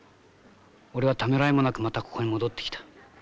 俺はためらいもなくまたここに戻ってきた。